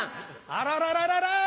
あららららら！